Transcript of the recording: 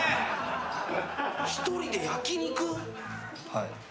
はい。